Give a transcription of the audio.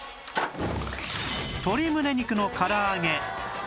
鶏むね肉のから揚げ